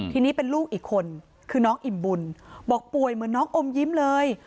ทีนี้เป็นลูกอีกคนคือน้องอิ่มบุญบอกป่วยเหมือนน้องอมยิ้มเลย